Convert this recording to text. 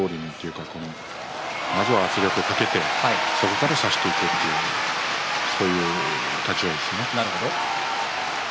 まずは圧力をかけてそして差していくそういう立ち合いですね。